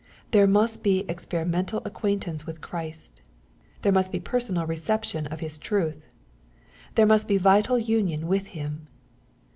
There must be experimental acquaintance with Christ. There must be personal re ception of His truth. There must be vital union with Him.